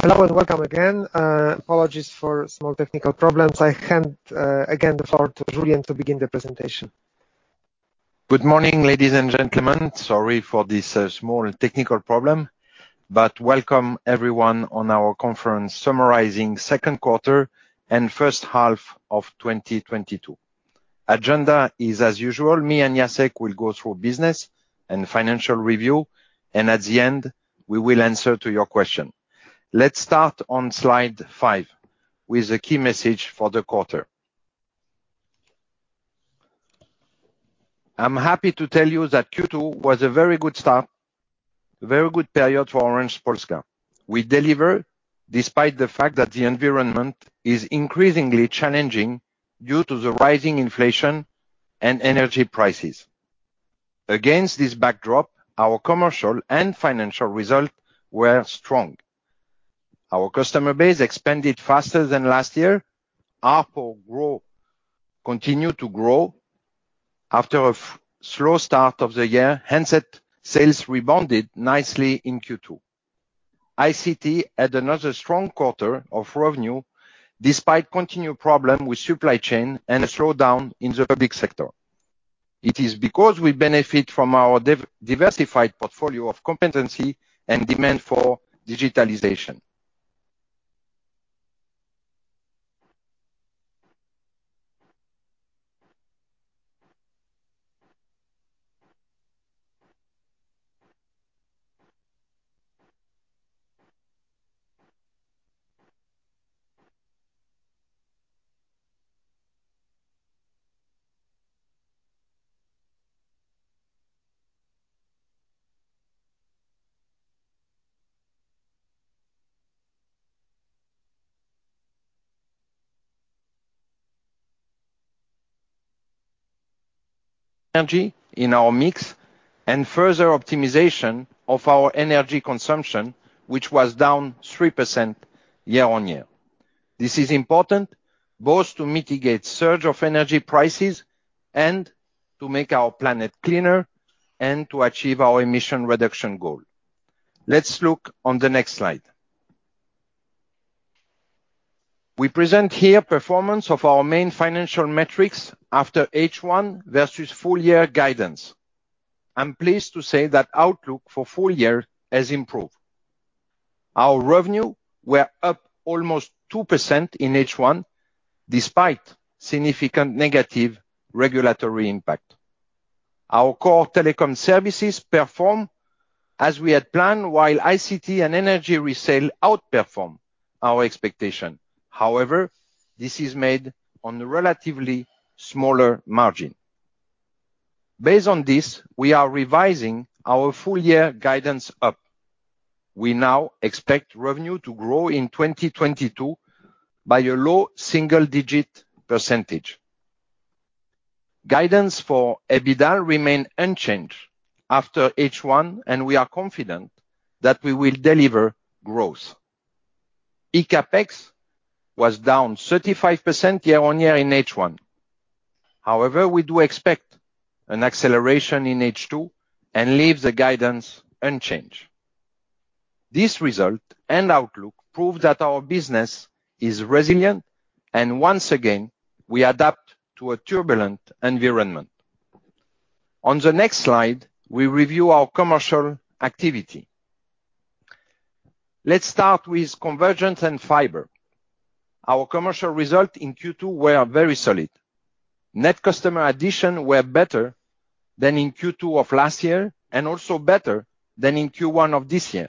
Hello and welcome again. Apologies for small technical problems. I hand again the floor to Julien to begin the presentation. Good morning, ladies and gentlemen. Sorry for this, small technical problem. Welcome everyone on our conference summarizing second quarter and first half of 2022. Agenda is as usual, me and Jacek will go through business and financial review, and at the end, we will answer to your question. Let's start on slide 5, with the key message for the quarter. I'm happy to tell you that Q2 was a very good start, very good period for Orange Polska. We deliver despite the fact that the environment is increasingly challenging due to the rising inflation and energy prices. Against this backdrop, our commercial and financial result were strong. Our customer base expanded faster than last year. ARPU continue to grow. After a slow start of the year, handset sales rebounded nicely in Q2. ICT had another strong quarter of revenue despite continued problem with supply chain and a slowdown in the public sector. It is because we benefit from our diversified portfolio of competency and demand for digitalization. Energy in our mix and further optimization of our energy consumption, which was down 3% year-on-year. This is important both to mitigate surge of energy prices and to make our planet cleaner and to achieve our emission reduction goal. Let's look on the next slide. We present here performance of our main financial metrics after H1 versus full year guidance. I'm pleased to say that outlook for full year has improved. Our revenue were up almost 2% in H1, despite significant negative regulatory impact. Our core telecom services perform as we had planned, while ICT and energy resale outperform our expectation. However, this is made on a relatively smaller margin. Based on this, we are revising our full year guidance up. We now expect revenue to grow in 2022 by a low single-digit percentage. Guidance for EBITDA remain unchanged after H1, and we are confident that we will deliver growth. eCapEx was down 35% year-on-year in H1. However, we do expect an acceleration in H2 and leave the guidance unchanged. This result and outlook prove that our business is resilient and once again, we adapt to a turbulent environment. On the next slide, we review our commercial activity. Let's start with convergence and fiber. Our commercial result in Q2 were very solid. Net customer addition were better than in Q2 of last year and also better than in Q1 of this year.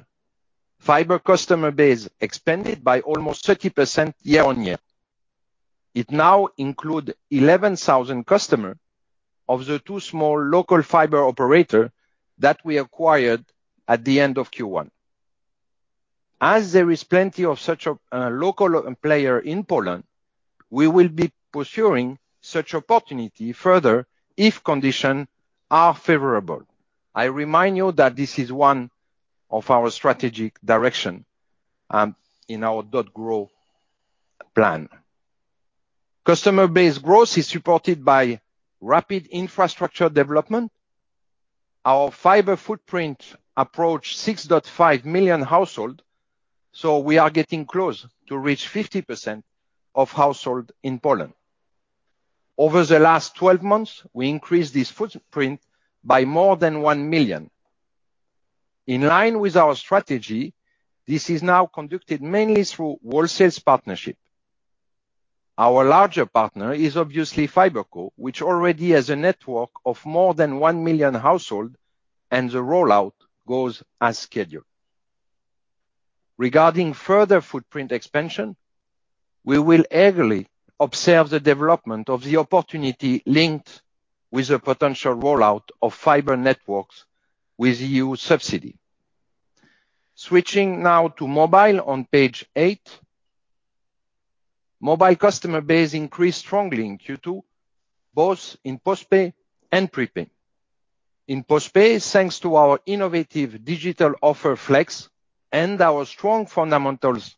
Fiber customer base expanded by almost 30% year-on-year. It now includes 11,000 customers of the two small local fiber operators that we acquired at the end of Q1. There is plenty of such a local player in Poland. We will be pursuing such opportunities further if conditions are favorable. I remind you that this is one of our strategic directions in our .Grow plan. Customer base growth is supported by rapid infrastructure development. Our fiber footprint approaches 6.5 million households, so we are getting close to reaching 50% of households in Poland. Over the last 12 months, we increased this footprint by more than one million. In line with our strategy, this is now conducted mainly through wholesale partnerships. Our larger partner is obviously FiberCo, which already has a network of more than one million households, and the rollout goes as scheduled. Regarding further footprint expansion, we will eagerly observe the development of the opportunity linked with the potential rollout of fiber networks with EU subsidy. Switching now to mobile on page eight. Mobile customer base increased strongly in Q2, both in postpaid and prepaid. In postpaid, thanks to our innovative digital offer, Flex, and our strong fundamentals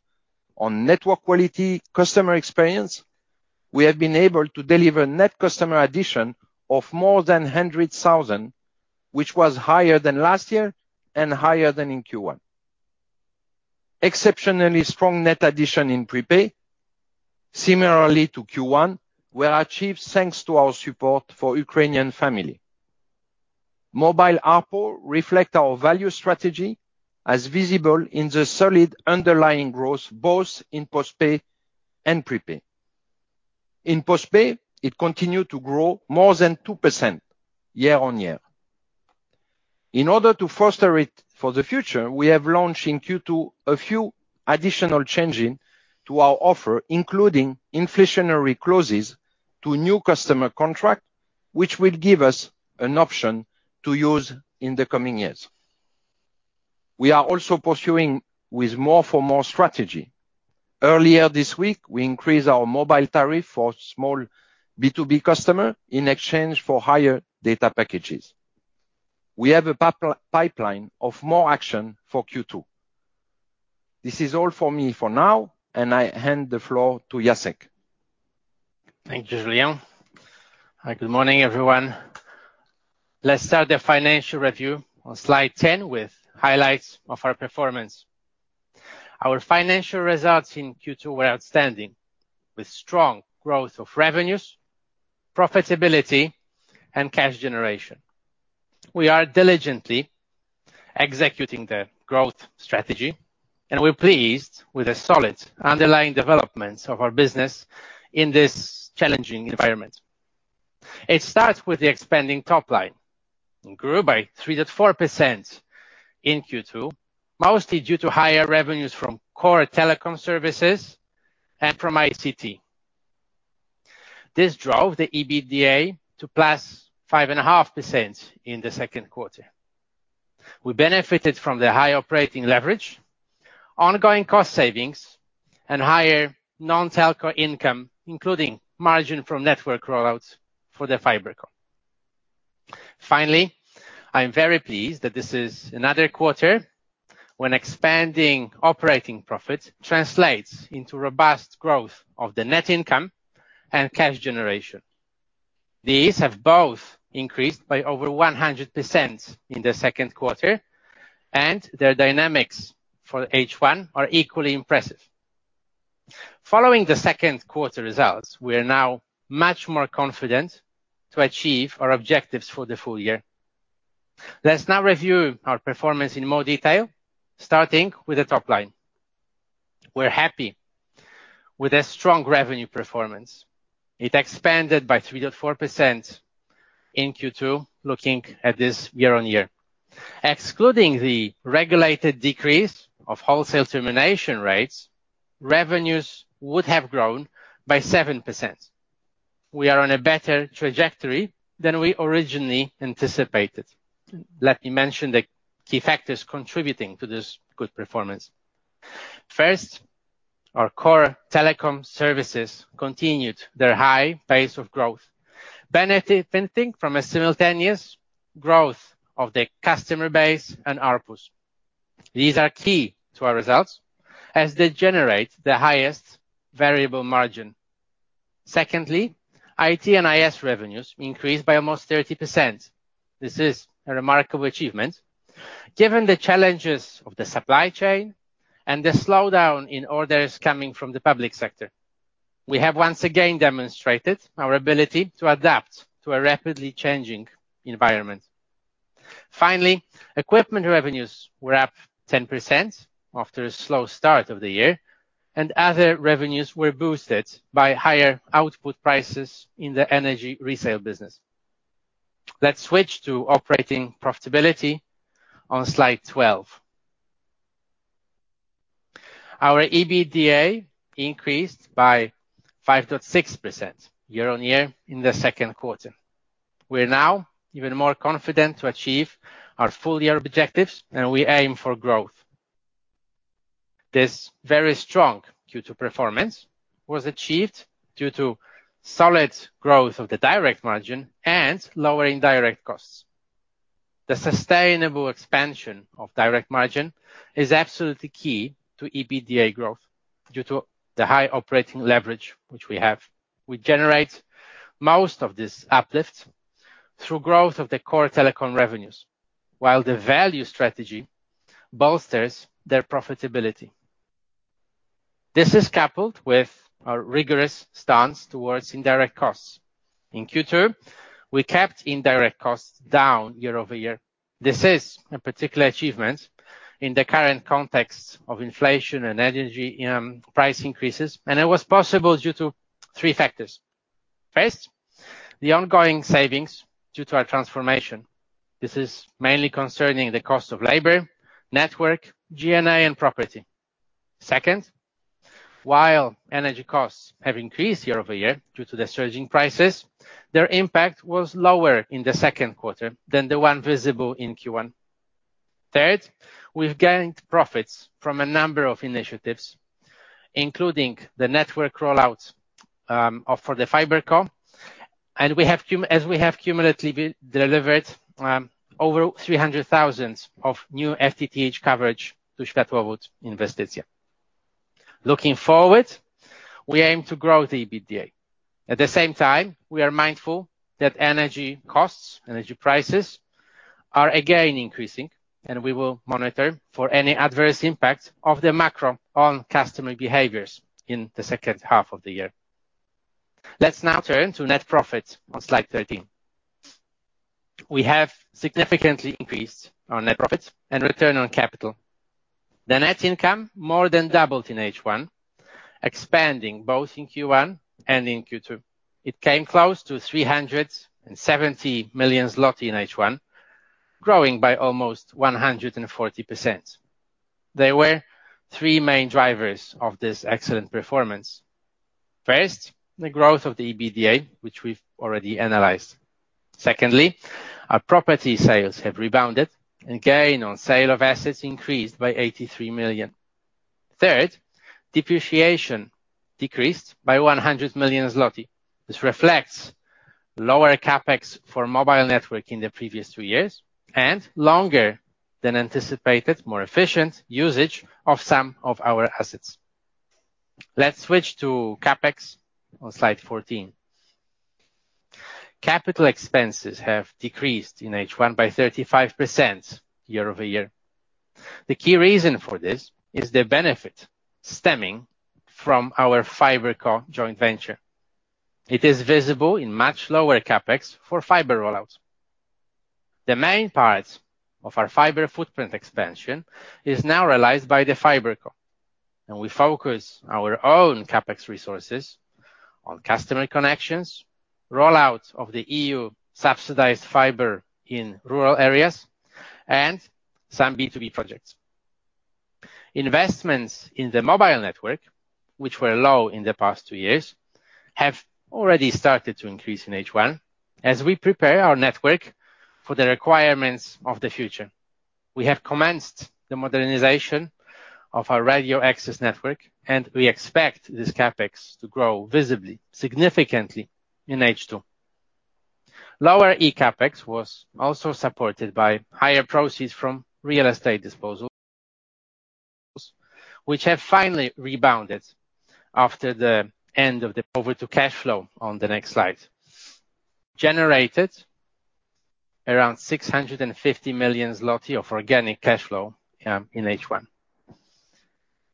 on network quality customer experience, we have been able to deliver net customer addition of more than 100,000, which was higher than last year and higher than in Q1. Exceptionally strong net addition in prepaid, similarly to Q1, were achieved thanks to our support for Ukrainian family. Mobile ARPU reflect our value strategy as visible in the solid underlying growth, both in postpaid and prepaid. In postpaid, it continued to grow more than 2% year-on-year. In order to foster it for the future, we have launched in Q2 a few additional changes to our offer, including inflationary clauses in new customer contracts, which will give us an option to use in the coming years. We are also pursuing more-for-more strategy. Earlier this week, we increased our mobile tariff for small B2B customers in exchange for higher data packages. We have a pipeline of more actions for Q2. This is all from me for now, and I hand the floor to Jacek. Thank you, Julien. Good morning, everyone. Let's start the financial review on slide 10 with highlights of our performance. Our financial results in Q2 were outstanding, with strong growth of revenues, profitability, and cash generation. We are diligently executing the growth strategy, and we're pleased with the solid underlying developments of our business in this challenging environment. It starts with the expanding top line. It grew by 3%-4% in Q2, mostly due to higher revenues from core telecom services and from ICT. This drove the EBITDA to +5.5% in the second quarter. We benefited from the high operating leverage, ongoing cost savings, and higher non-telco income, including margin from network rollouts for the FiberCo. Finally, I'm very pleased that this is another quarter when expanding operating profit translates into robust growth of the net income and cash generation. These have both increased by over 100% in the second quarter, and their dynamics for H1 are equally impressive. Following the second quarter results, we are now much more confident to achieve our objectives for the full year. Let's now review our performance in more detail, starting with the top line. We're happy with the strong revenue performance. It expanded by 3%-4% in Q2, looking at this year-on-year. Excluding the regulated decrease of wholesale termination rates, revenues would have grown by 7%. We are on a better trajectory than we originally anticipated. Let me mention the key factors contributing to this good performance. First, our core telecom services continued their high pace of growth, benefiting from a simultaneous growth of the customer base and ARPUs. These are key to our results as they generate the highest variable margin. Secondly, IT and IS revenues increased by almost 30%. This is a remarkable achievement given the challenges of the supply chain and the slowdown in orders coming from the public sector. We have once again demonstrated our ability to adapt to a rapidly changing environment. Finally, equipment revenues were up 10% after a slow start of the year, and other revenues were boosted by higher output prices in the energy resale business. Let's switch to operating profitability on slide 12. Our EBITDA increased by 5%-6% year-on-year in the second quarter. We're now even more confident to achieve our full year objectives, and we aim for growth. This very strong Q2 performance was achieved due to solid growth of the direct margin and lowering direct costs. The sustainable expansion of direct margin is absolutely key to EBITDA growth due to the high operating leverage which we have. We generate most of this uplift through growth of the core telecom revenues, while the value strategy bolsters their profitability. This is coupled with our rigorous stance towards indirect costs. In Q2, we kept indirect costs down year-over-year. This is a particular achievement in the current context of inflation and energy, price increases, and it was possible due to three factors. First, the ongoing savings due to our transformation. This is mainly concerning the cost of labor, network, G&A, and property. Second, while energy costs have increased year-over-year due to the surging prices, their impact was lower in the second quarter than the one visible in Q1. Third, we've gained profits from a number of initiatives, including the network rollout for the FiberCo. We have as we have cumulatively delivered over 300,000 of new FTTH coverage to in Światłowód Inwestycje. Looking forward, we aim to grow the EBITDA. At the same time, we are mindful that energy costs, energy prices are again increasing, and we will monitor for any adverse impact of the macro on customer behaviors in the second half of the year. Let's now turn to net profits on slide 13. We have significantly increased our net profits and return on capital. The net income more than doubled in H1, expanding both in Q1 and in Q2. It came close to 370 million zloty in H1, growing by almost 140%. There were three main drivers of this excellent performance. First, the growth of the EBITDA, which we've already analyzed. Secondly, our property sales have rebounded, and gain on sale of assets increased by 83 million. Third, depreciation decreased by 100 million zloty. This reflects lower CapEx for mobile network in the previous two years and longer than anticipated, more efficient usage of some of our assets. Let's switch to CapEx on slide 14. Capital expenses have decreased in H1 by 35% year-over-year. The key reason for this is the benefit stemming from our FiberCo joint venture. It is visible in much lower CapEx for fiber roll-outs. The main parts of our fiber footprint expansion is now realized by the FiberCo, and we focus our own CapEx resources on customer connections, roll-outs of the EU-subsidized fiber in rural areas, and some B2B projects. Investments in the mobile network, which were low in the past two years, have already started to increase in H1 as we prepare our network for the requirements of the future. We have commenced the modernization of our radio access network, and we expect this CapEx to grow visibly, significantly in H2. Lower eCapEx was also supported by higher proceeds from real estate disposals, which have finally rebounded after the end of. Over to cash flow on the next slide. Generated around 650 million zloty of organic cash flow in H1.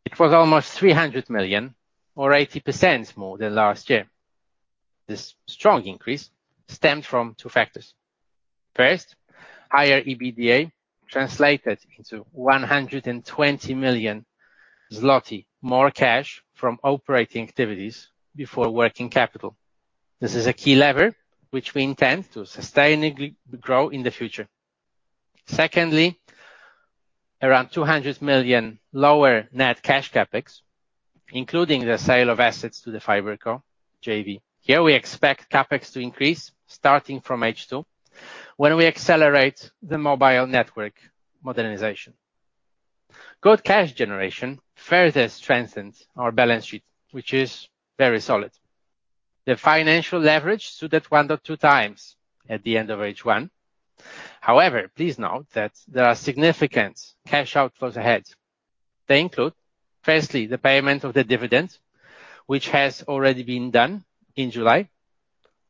It was almost 300 million or 80% more than last year. This strong increase stemmed from two factors. First, higher EBITDA translated into 120 million zloty more cash from operating activities before working capital. This is a key lever which we intend to sustainably grow in the future. Secondly, around 200 million lower net cash CapEx, including the sale of assets to the FiberCo JV. Here we expect CapEx to increase starting from H2 when we accelerate the mobile network modernization. Good cash generation further strengthens our balance sheet, which is very solid. The financial leverage stood at 1.2x at the end of H1. However, please note that there are significant cash outflows ahead. They include, firstly, the payment of the dividend, which has already been done in July.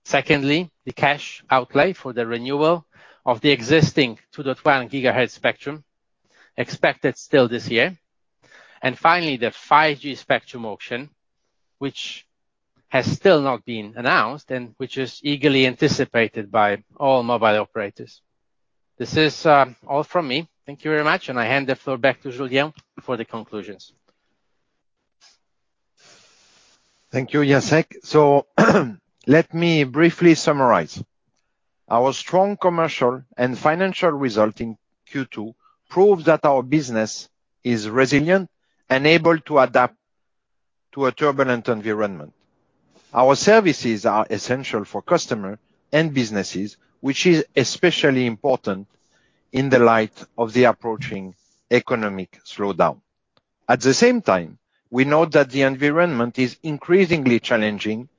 Secondly, the cash outlay for the renewal of the existing 2.1 GHz spectrum expected still this year. Finally, the 5G spectrum auction, which has still not been announced and which is eagerly anticipated by all mobile operators. This is all from me. Thank you very much, and I hand the floor back to Julien for the conclusions. Thank you, Jacek. Let me briefly summarize. Our strong commercial and financial results in Q2 prove that our business is resilient and able to adapt to a turbulent environment. Our services are essential for customers and businesses, which is especially important in the light of the approaching economic slowdown. At the same time, we know that the environment is increasingly challenging.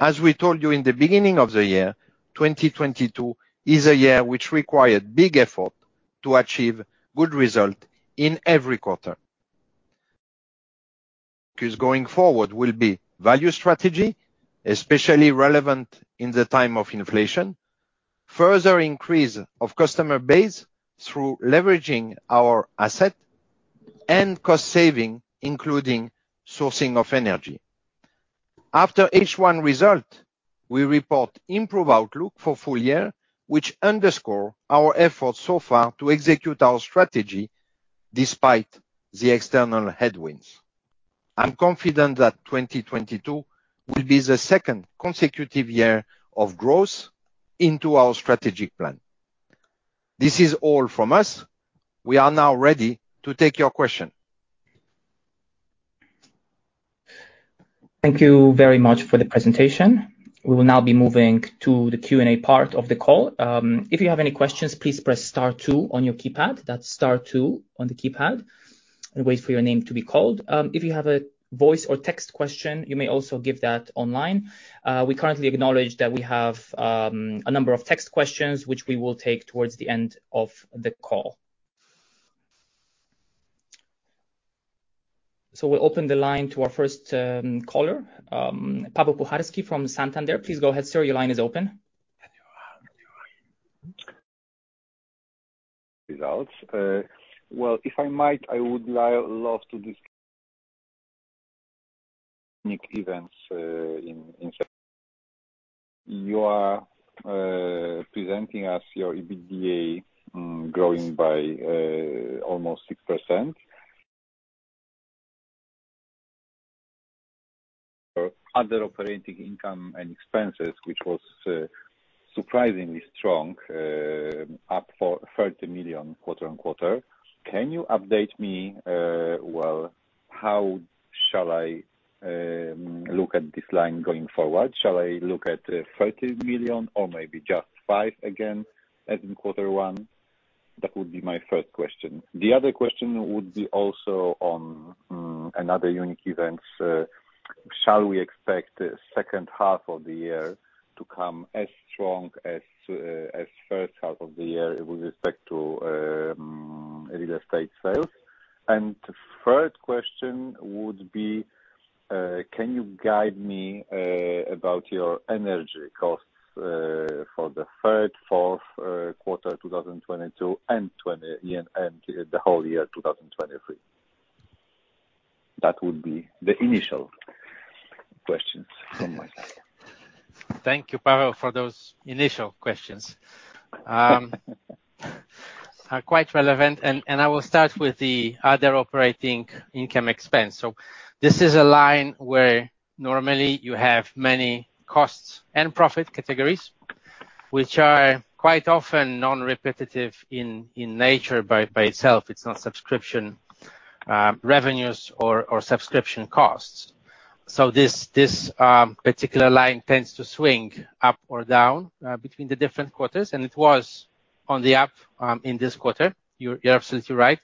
As we told you in the beginning of the year, 2022 is a year which required big effort to achieve good results in every quarter. Because going forward will be value strategy, especially relevant in the time of inflation, further increase of customer base through leveraging our assets and cost savings, including sourcing of energy. After H1 results, we report improved outlook for full year, which underscore our efforts so far to execute our strategy despite the external headwinds. I'm confident that 2022 will be the second consecutive year of growth into our strategic plan. This is all from us. We are now ready to take your question. Thank you very much for the presentation. We will now be moving to the Q&A part of the call. If you have any questions, please press star two on your keypad. That's star two on the keypad. Wait for your name to be called. If you have a voice or text question, you may also give that online. We currently acknowledge that we have a number of text questions, which we will take towards the end of the call. We'll open the line to our first caller, Paweł Puchalski from Santander. Please go ahead, sir. Your line is open. Results. Well, if I might, I would love to discuss unique events, in fact. You are presenting us your EBITDA growing by almost 6%. For other operating income and expenses, which was surprisingly strong, up by 30 million quarter-on-quarter. Can you update me how shall I look at this line going forward? Shall I look at 30 million or maybe just five again as in quarter one? That would be my first question. The other question would be also on another unique events. Shall we expect the second half of the year to come as strong as the first half of the year with respect to real estate sales? Third question would be, can you guide me about your energy costs for the third, fourth quarter 2022 and 2023 and the whole year 2023? That would be the initial questions from my side. Thank you, Paweł, for those initial questions. They are quite relevant and I will start with the other operating income expense. This is a line where normally you have many costs and profit categories, which are quite often non-repetitive in nature by itself. It's not subscription revenues or subscription costs. This particular line tends to swing up or down between the different quarters, and it was on the up in this quarter. You're absolutely right.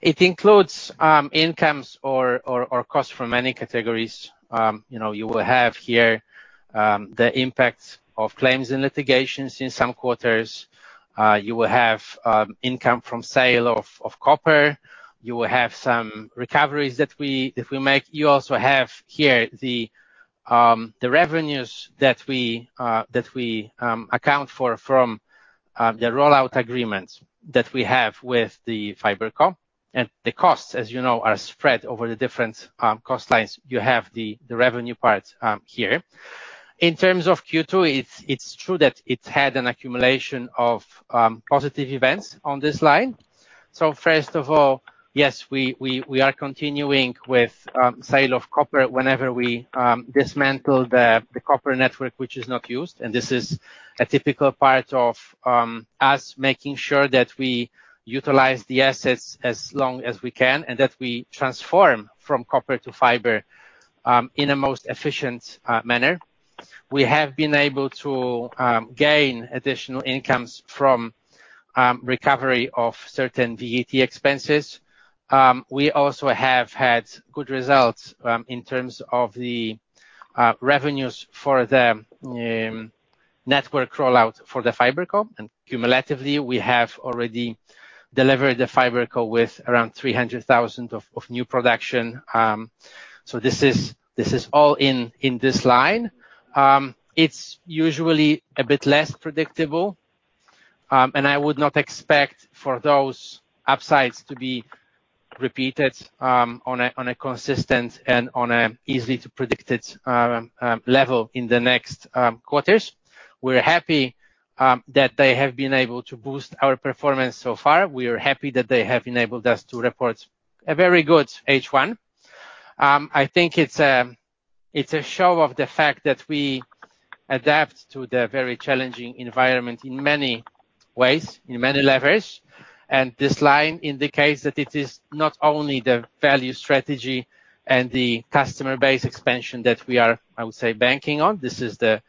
It includes incomes or costs from many categories. You know, you will have here the impact of claims and litigations in some quarters. You will have income from sale of copper. You will have some recoveries that we make. You also have here the revenues that we account for from the rollout agreements that we have with the FiberCo. The costs, as you know, are spread over the different cost lines. You have the revenue part here. In terms of Q2, it's true that it had an accumulation of positive events on this line. First of all, yes, we are continuing with sale of copper whenever we dismantle the copper network, which is not used, and this is a typical part of us making sure that we utilize the assets as long as we can and that we transform from copper to fiber in a most efficient manner. We have been able to gain additional incomes from recovery of certain VAT expenses. We also have had good results in terms of the revenues for the network rollout for the FiberCo. Cumulatively, we have already delivered the FiberCo with around 300,000 of new production. This is all in this line. It's usually a bit less predictable, and I would not expect for those upsides to be repeated on a consistent and on an easy-to-predicted level in the next quarters. We're happy that they have been able to boost our performance so far. We are happy that they have enabled us to report a very good H1. I think it's a show of the fact that we adapt to the very challenging environment in many ways, in many levels. This line indicates that it is not only the value strategy and the customer base expansion that we are, I would say, banking on. This is the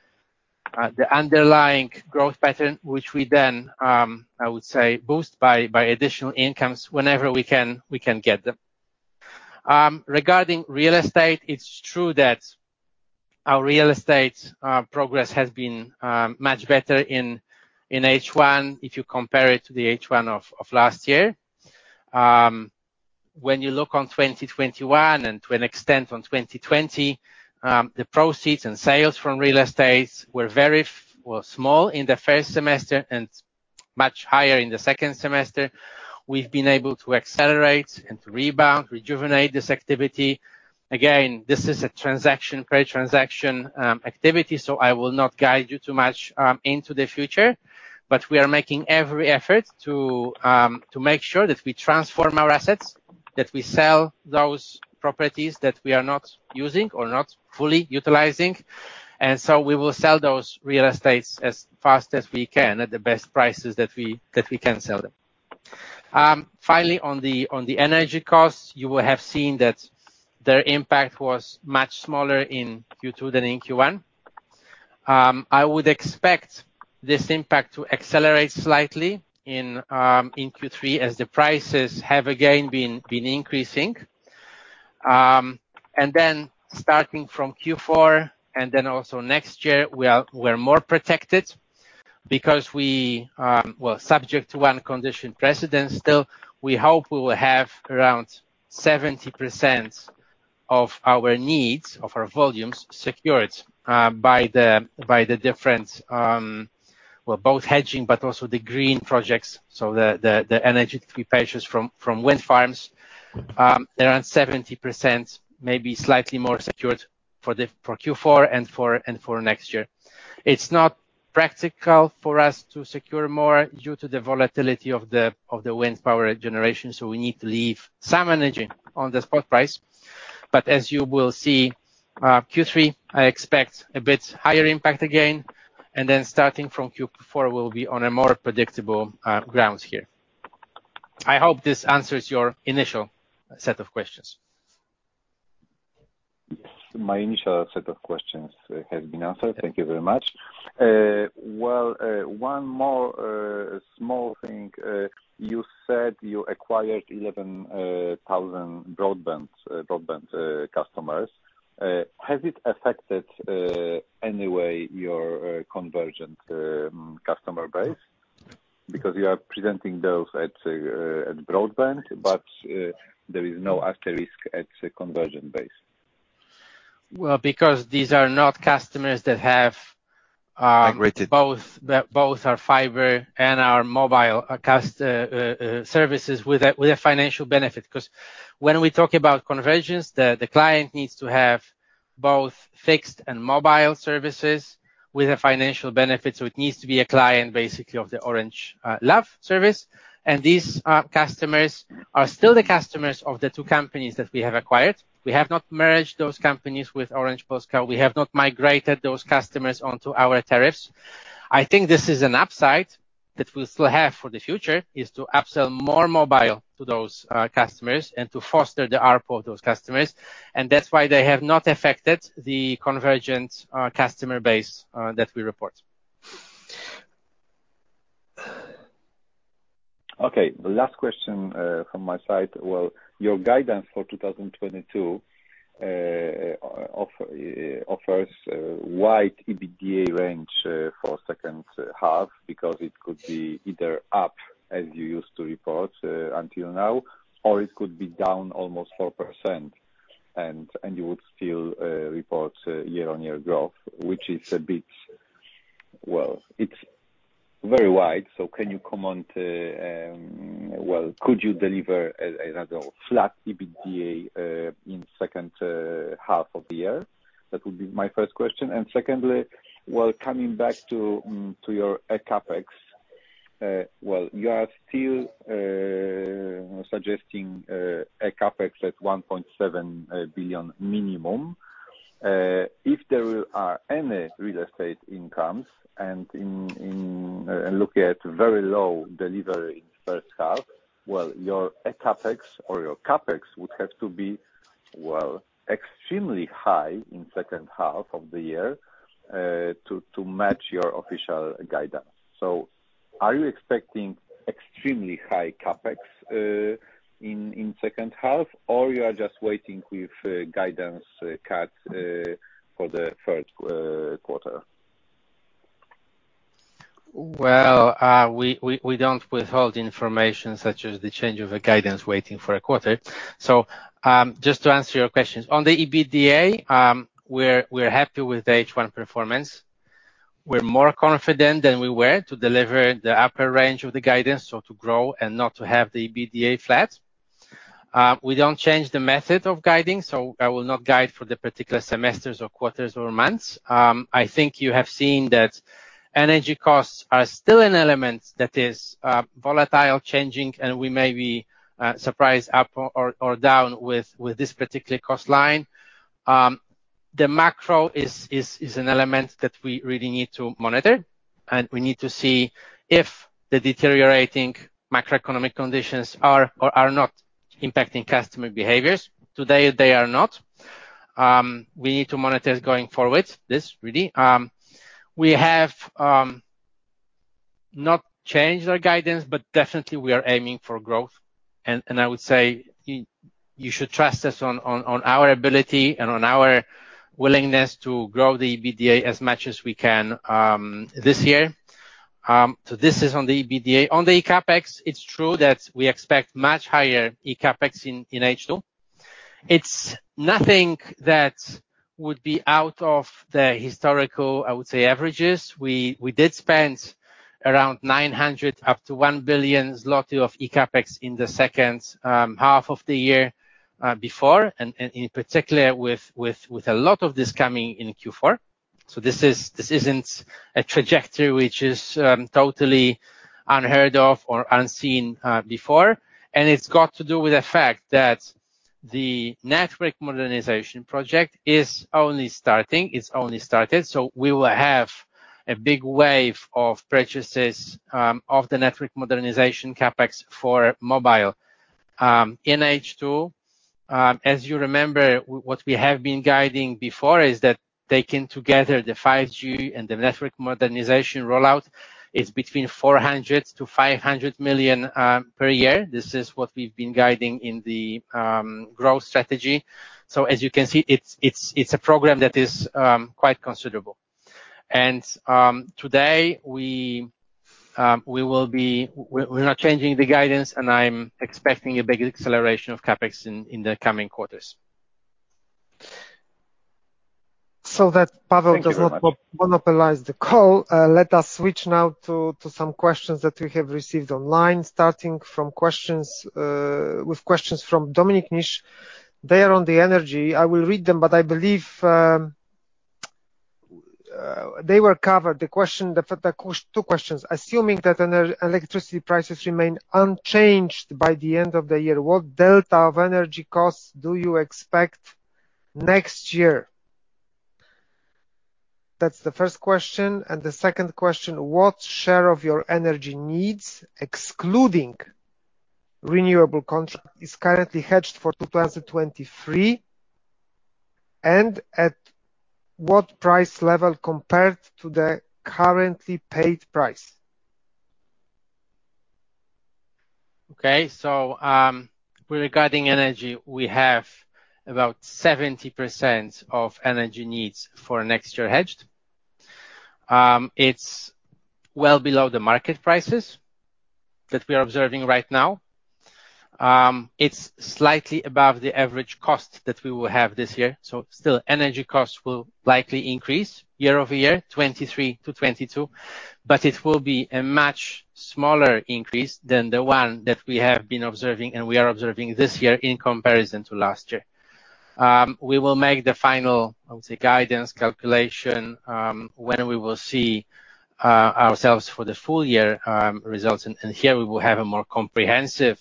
underlying growth pattern, which we then, I would say, boost by additional incomes whenever we can get them. Regarding real estate, it's true that our real estate progress has been much better in H1 if you compare it to the H1 of last year. When you look on 2021 and to an extent on 2020, the proceeds and sales from real estates were very small in the first semester and much higher in the second semester. We've been able to accelerate and to rebound, rejuvenate this activity. Again, this is a transaction-per-transaction activity, so I will not guide you too much into the future. We are making every effort to make sure that we transform our assets, that we sell those properties that we are not using or not fully utilizing. We will sell those real estates as fast as we can at the best prices that we can sell them. Finally, on the energy costs, you will have seen that their impact was much smaller in Q2 than in Q1. I would expect this impact to accelerate slightly in Q3 as the prices have again been increasing. Starting from Q4, and then also next year, we're more protected because we. Well, subject to one condition precedent still, we hope we will have around 70% of our needs, of our volumes secured by the different, both hedging but also the green projects, so the energy purchases from wind farms. Around 70%, maybe slightly more secured for Q4 and for next year. It's not practical for us to secure more due to the volatility of the wind power generation, so we need to leave some energy on the spot price. But as you will see, Q3, I expect a bit higher impact again. Starting from Q4, we'll be on a more predictable grounds here. I hope this answers your initial set of questions. Yes. My initial set of questions have been answered. Thank you very much. Well, one more small thing. You said you acquired 11,000 broadband customers. Has it affected in any way your convergent customer base? Because you are presenting those as broadband, but there is no asterisk at the convergent base. Well, because these are not customers that have. Migrated. Both our fiber and our mobile customer services with a financial benefit. 'Cause when we talk about convergence, the client needs to have both fixed and mobile services with a financial benefit, so it needs to be a client basically of the Orange Love service. These customers are still the customers of the two companies that we have acquired. We have not merged those companies with Orange Polska. We have not migrated those customers onto our tariffs. I think this is an upside that we'll still have for the future, is to upsell more mobile to those customers and to foster the ARPU of those customers, and that's why they have not affected the convergence customer base that we report. Okay. The last question from my side. Well, your guidance for 2022 offers a wide EBITDA range for second half because it could be either up as you used to report until now, or it could be down almost 4% and you would still report year-on-year growth, which is a bit wide. Well, it's very wide. Can you comment. Well, could you deliver a flat EBITDA in second half of the year? That would be my first question. Secondly, well, coming back to your CapEx. Well, you are still suggesting a CapEx at 1.7 billion minimum. If there are any real estate incomes and in. Looking at very low delivery in first half, well, your CapEx or your OpEx would have to be, well, extremely high in second half of the year to match your official guidance. Are you expecting extremely high CapEx in second half, or you are just waiting with guidance for the third quarter? We don't withhold information such as the change of a guidance waiting for a quarter. Just to answer your questions. On the EBITDA, we're happy with the H1 performance. We're more confident than we were to deliver the upper range of the guidance, so to grow and not to have the EBITDA flat. We don't change the method of guiding, so I will not guide for the particular semesters or quarters or months. I think you have seen that energy costs are still an element that is volatile, changing, and we may be surprised up or down with this particular cost line. The macro is an element that we really need to monitor, and we need to see if the deteriorating macroeconomic conditions are or are not impacting customer behaviors. Today, they are not. We need to monitor it going forward, this really. We have not changed our guidance, but definitely we are aiming for growth. I would say you should trust us on our ability and on our willingness to grow the EBITDA as much as we can, this year. This is on the EBITDA. On the CapEx, it's true that we expect much higher eCapEx in H2. It's nothing that would be out of the historical, I would say, averages. We did spend around 900 million up to 1 billion zloty of eCapEx in the second half of the year, before, and in particular with a lot of this coming in Q4. This isn't a trajectory which is totally unheard of or unseen before. It's got to do with the fact that the network modernization project is only starting. It's only started. We will have a big wave of purchases of the network modernization CapEx for mobile. In H2, as you remember, what we have been guiding before is that taken together the 5G and the network modernization rollout is between 400 million-500 million per year. This is what we've been guiding in the growth strategy. As you can see, it's a program that is quite considerable. Today, we're not changing the guidance, and I'm expecting a big acceleration of CapEx in the coming quarters. That Paweł does not monopolize the call, let us switch now to some questions that we have received online, starting with questions from Dominik Niszcz. They are on the energy. I will read them, but I believe they were covered. Two questions: Assuming that electricity prices remain unchanged by the end of the year, what delta of energy costs do you expect next year? That's the first question. The second question: What share of your energy needs, excluding renewable contract, is currently hedged for 2023, and at what price level compared to the currently paid price? Okay. Regarding energy, we have about 70% of energy needs for next year hedged. It's well below the market prices that we are observing right now. It's slightly above the average cost that we will have this year. Still energy costs will likely increase year-over-year, 2023 to 2022, but it will be a much smaller increase than the one that we have been observing and we are observing this year in comparison to last year. We will make the final, I would say, guidance calculation when we will see our full-year results, and here we will have a more comprehensive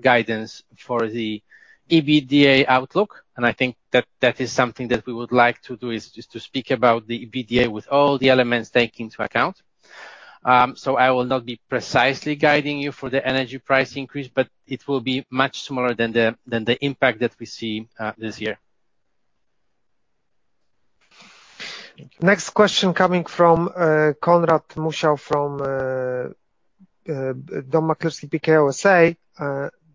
guidance for the EBITDA outlook. I think that is something that we would like to do is just to speak about the EBITDA with all the elements taken into account. I will not be precisely guiding you for the energy price increase, but it will be much smaller than the impact that we see this year. Next question coming from Konrad Musiał from Biuro Maklerskie Pekao.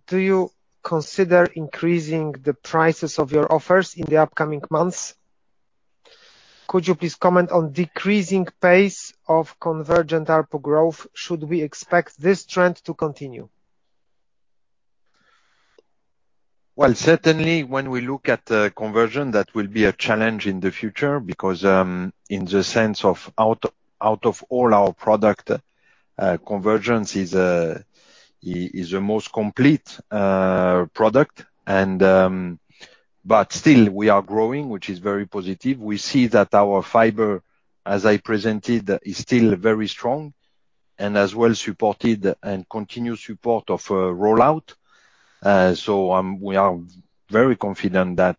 Do you consider increasing the prices of your offers in the upcoming months? Could you please comment on decreasing pace of convergent ARPU growth? Should we expect this trend to continue? Well, certainly when we look at the conversion, that will be a challenge in the future because, in the sense of out of all our product, convergence is the most complete product and, but still we are growing, which is very positive. We see that our fiber, as I presented, is still very strong and as well supported and continuous support of a rollout. We are very confident that,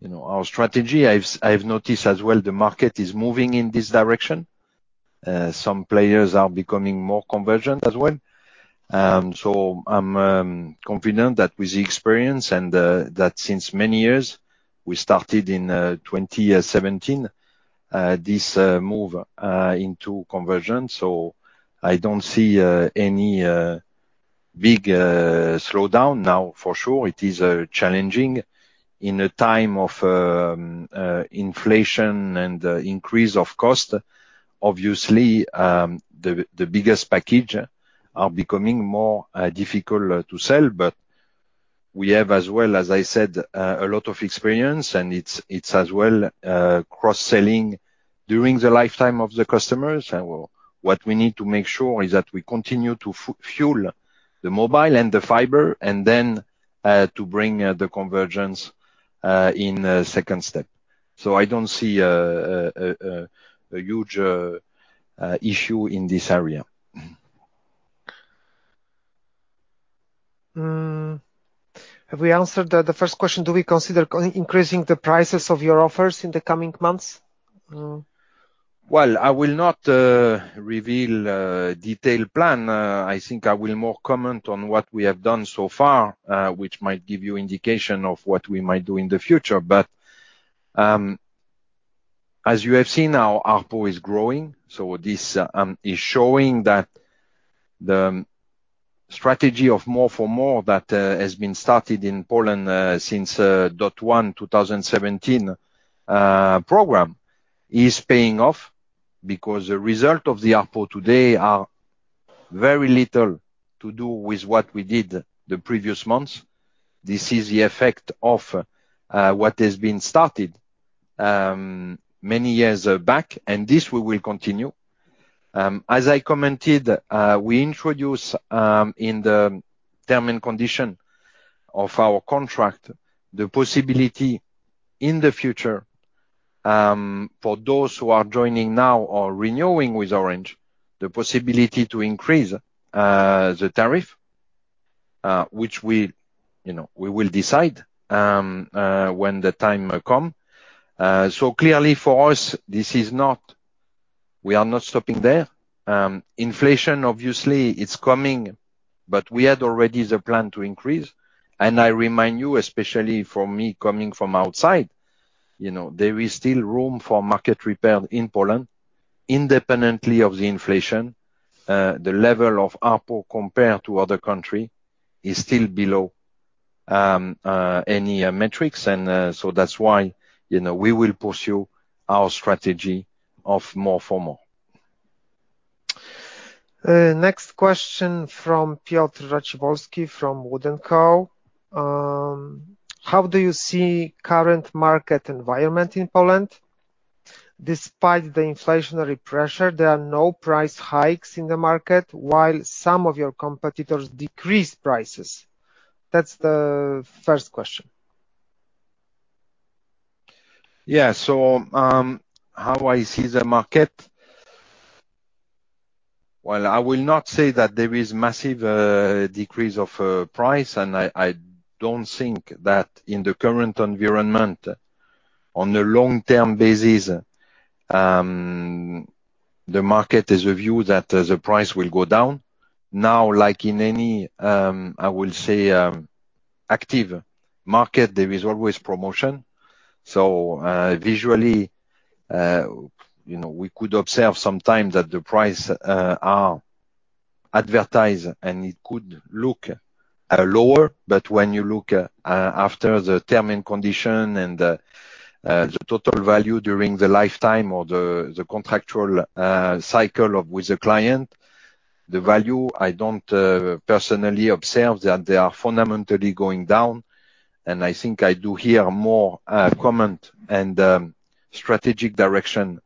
you know, our strategy. I've noticed as well the market is moving in this direction. Some players are becoming more convergent as well. I'm confident that with the experience and that since many years, we started in 2017, this move into convergence. I don't see any big slowdown now for sure. It is challenging in a time of inflation and increase of cost. Obviously, the biggest package are becoming more difficult to sell, but we have as well, as I said, a lot of experience and it's as well cross-selling during the lifetime of the customers. What we need to make sure is that we continue to fuel the mobile and the fiber and then to bring the convergence in a second step. I don't see a huge issue in this area. Have we answered the first question? Do we consider co-increasing the prices of your offers in the coming months? Well, I will not reveal a detailed plan. I think I will more comment on what we have done so far, which might give you indication of what we might do in the future. As you have seen, our ARPU is growing, so this is showing that the strategy of more for more that has been started in Poland since .One 2017 program is paying off because the result of the ARPU today are very little to do with what we did the previous months. This is the effect of what has been started many years back, and this we will continue. As I commented, we introduce, in the terms and conditions of our contract the possibility in the future, for those who are joining now or renewing with Orange, the possibility to increase the tariff. Which we, you know, will decide when the time will come. Clearly for us, this is not. We are not stopping there. Inflation obviously is coming, but we had already the plan to increase. I remind you, especially for me coming from outside, you know, there is still room for market repair in Poland independently of the inflation. The level of ARPU compared to other countries is still below any metrics. That's why, you know, we will pursue our strategy of more for more. Next question from Piotr Raciborski from WOOD & Co. How do you see current market environment in Poland? Despite the inflationary pressure, there are no price hikes in the market while some of your competitors decrease prices. That's the first question. Yeah. How I see the market. Well, I will not say that there is massive decrease in price, and I don't think that in the current environment, on a long-term basis, the market believes that the price will go down. Now, like in any, I will say, active market, there is always promotion. Visually, you know, we could observe sometimes that the prices are advertised, and it could look lower. But when you look at the terms and conditions and the total value during the lifetime or the contractual cycle with the client, the value I don't personally observe that they are fundamentally going down. I think I do hear more comment and strategic direction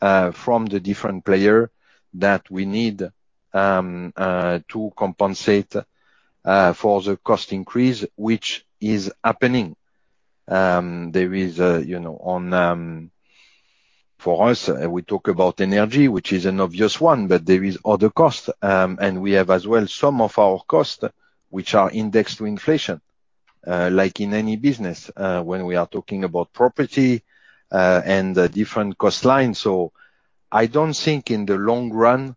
from the different player that we need to compensate for the cost increase which is happening. For us, we talk about energy, which is an obvious one, but there is other costs. We have as well some of our costs which are indexed to inflation. Like in any business, when we are talking about property, and the different cost lines. I don't think in the long run,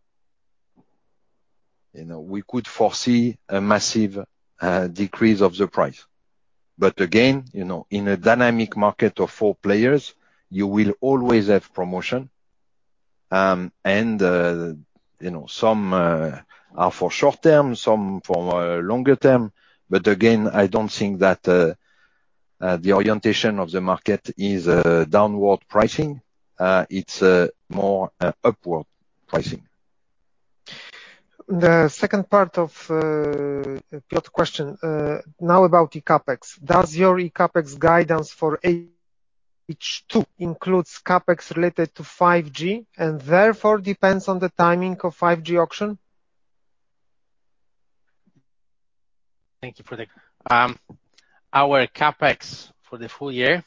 you know, we could foresee a massive decrease of the price. Again, you know, in a dynamic market of four players, you will always have promotion. Some are for short term, some for longer term. Again, I don't think that the orientation of the market is downward pricing. It's more upward pricing. The second part of Piotr question. Now about eCapEx. Does your eCapEx guidance for H2 includes CapEx related to 5G and therefore depends on the timing of 5G auction? Our CapEx for the full year,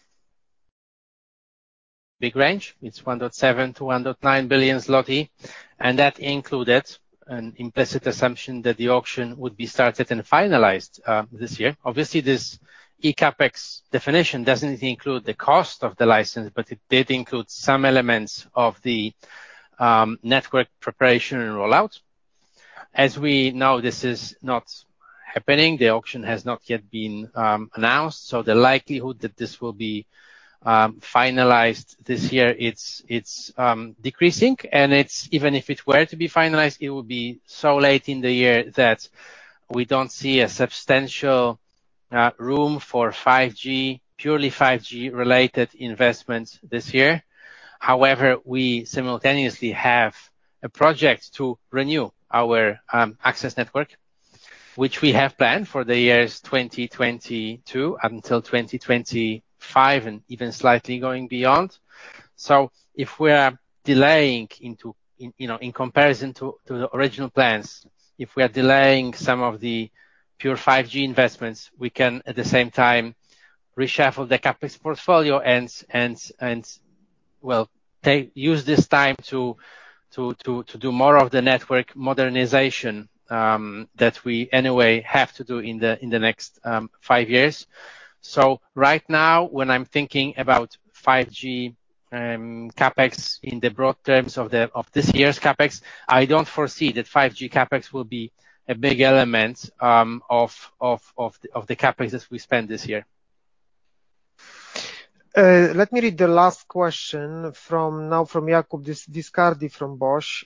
big range. It's 1.7 billion-9 billion zloty, and that included an implicit assumption that the auction would be started and finalized this year. Obviously, this eCapEx definition doesn't include the cost of the license, but it did include some elements of the network preparation and rollout. As we know, this is not happening. The auction has not yet been announced, so the likelihood that this will be finalized this year, it's decreasing. Even if it were to be finalized, it would be so late in the year that we don't see a substantial room for 5G, purely 5G-related investments this year. However, we simultaneously have a project to renew our access network, which we have planned for the years 2022 until 2025, and even slightly going beyond. If we are delaying, you know, in comparison to the original plans, if we are delaying some of the pure 5G investments, we can, at the same time, reshuffle the CapEx portfolio and well, use this time to do more of the network modernization that we anyway have to do in the next five years. Right now, when I'm thinking about 5G CapEx in the broad terms of this year's CapEx, I don't foresee that 5G CapEx will be a big element of the CapEx we spend this year. Let me read the last question now from Jakub Viscardi from BOŚ.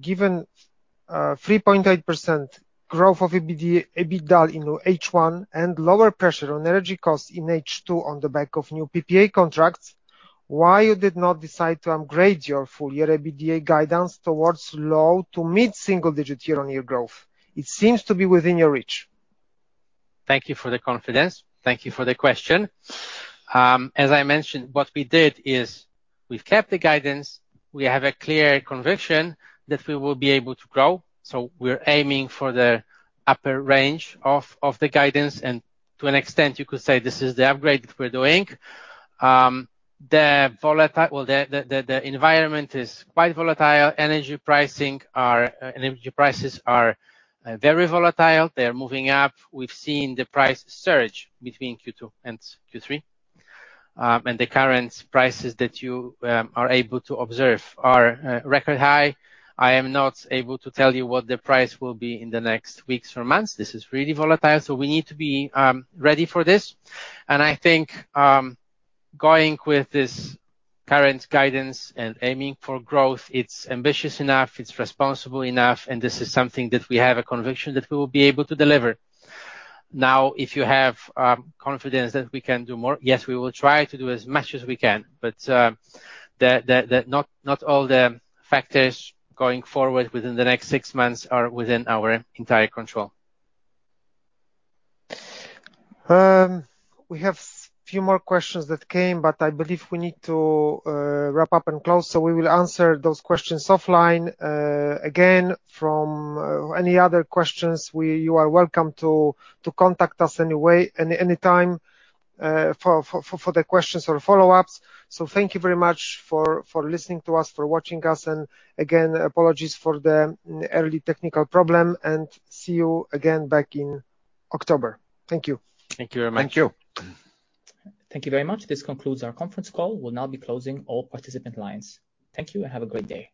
Given 3.8% growth of EBITDA in H1 and lower pressure on energy costs in H2 on the back of new PPA contracts, why you did not decide to upgrade your full-year EBITDA guidance towards low- to mid-single-digit year-on-year growth? It seems to be within your reach. Thank you for the confidence. Thank you for the question. As I mentioned, what we did is we've kept the guidance. We have a clear conviction that we will be able to grow. We're aiming for the upper range of the guidance, and to an extent you could say this is the upgrade that we're doing. The environment is quite volatile. Energy prices are very volatile. They're moving up. We've seen the price surge between Q2 and Q3. The current prices that you are able to observe are record high. I am not able to tell you what the price will be in the next weeks or months. This is really volatile, so we need to be ready for this. I think, going with this current guidance and aiming for growth, it's ambitious enough, it's responsible enough, and this is something that we have a conviction that we will be able to deliver. Now, if you have confidence that we can do more, yes, we will try to do as much as we can. Not all the factors going forward within the next six months are within our entire control. We have few more questions that came, but I believe we need to wrap up and close. We will answer those questions offline. Again, for any other questions, you are welcome to contact us any way, any time, for the questions or follow-ups. Thank you very much for listening to us, for watching us. Again, apologies for the early technical problem, and see you again back in October. Thank you. Thank you very much. Thank you. Thank you very much. This concludes our conference call. We'll now be closing all participant lines. Thank you and have a great day.